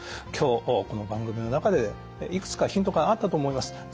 今日この番組の中でいくつかヒントがあったと思います。